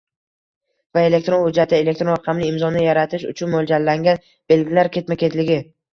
va elektron hujjatda elektron raqamli imzoni yaratish uchun mo‘ljallangan belgilar ketma-ketligi;